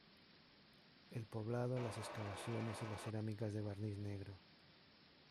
El poblado, las excavaciones y las cerámicas de barniz negro.